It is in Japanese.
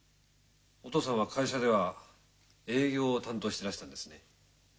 お父さんは会社では営業を担当してらしたんですね。